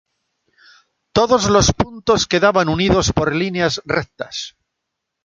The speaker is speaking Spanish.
Todos los puntos quedaban unidos por líneas rectas.